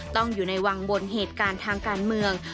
ต้องอยู่ในวังบนเหตุการณ์ทางการเมือง